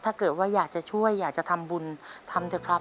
ถ้าเกิดว่าอยากจะช่วยอยากจะทำบุญทำเถอะครับ